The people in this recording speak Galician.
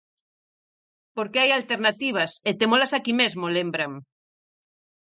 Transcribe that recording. "Porque hai alternativas e témolas aquí mesmo", lembran.